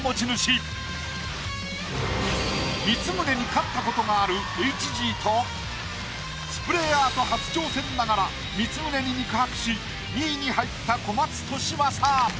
光宗に勝ったことがあるＨＧとスプレーアート初挑戦ながら光宗に肉薄し２位に入った小松利昌。